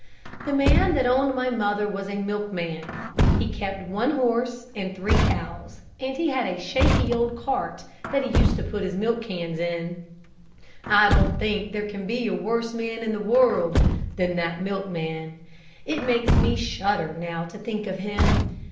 The man that owned my mother was a milkman. He kept one horse and three cows, and he had a shaky old cart that he used to put his milk cans in. I don't think there can be a worse man in the world than that milkman. It makes me shudder now to think of him.